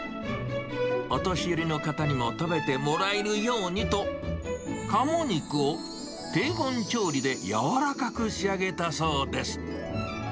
お年寄りの方にも食べてもらえるようにと、カモ肉を低温調理で柔らかく仕上げたそうです。